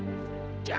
ini dia tiada tangan